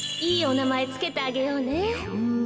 うん。